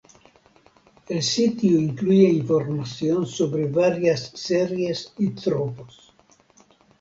El sitio incluye información sobre varias series y tropos.